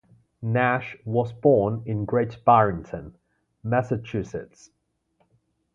Nash was born in Great Barrington, Massachusetts.